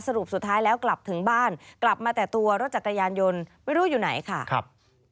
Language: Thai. สรุปสุดท้ายแล้วกลับถึงบ้านกลับมาแต่ตัวรถจักรยานยนต์ไม่รู้อยู่ไหนค่ะครับ